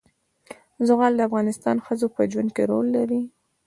زغال د افغان ښځو په ژوند کې رول لري.